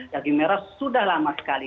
daging merah sudah lama sekali